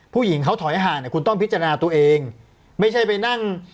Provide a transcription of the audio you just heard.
ผู้หญิงเขาถอยห่างเนี่ยคุณต้องพิจารณาตัวเองไม่ใช่ไปนั่ง